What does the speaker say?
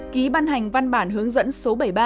ký ban hành văn bản hướng dẫn số bảy mươi ba